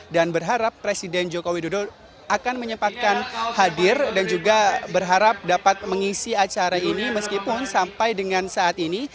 dan berharap presiden joko widodo akan menyempatkan hadir dan juga berharap dapat mengisi acara ini meskipun sampai dengan saat ini